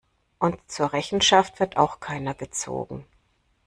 Und zur Rechenschaft wird auch keiner gezogen.